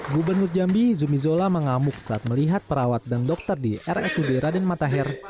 gubernur jambi zumi zola mengamuk saat melihat perawat dan dokter di rsud raden matahir